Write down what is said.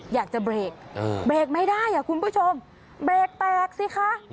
อยากจะเบรกเบรกไม่ได้อ่ะคุณผู้ชมเบรกแตกสิคะ